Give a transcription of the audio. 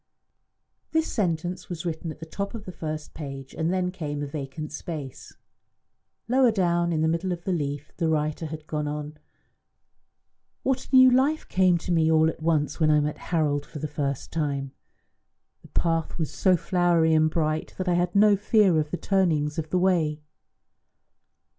This sentence was written at the top of the first page, and then came a vacant space. Lower down, in the middle of the leaf, the writer had gone on: "What a new life came to me all at once when I met Harold for the first time! The path was so flowery and bright that I had no fear of the turnings of the way.